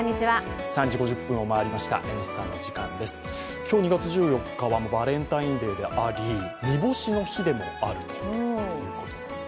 今日２月１４日はバレンタインデーであり、煮干しの日でもあるということです。